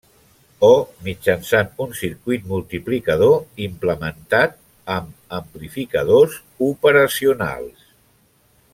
O mitjançant un circuit multiplicador implementat amb amplificadors operacionals.